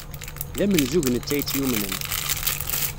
D amenzug netta ay tt-yumnen.